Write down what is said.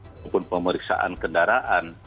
maupun pemeriksaan kendaraan